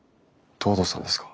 藤堂さんですか？